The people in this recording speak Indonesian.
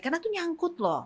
karena itu nyangkut loh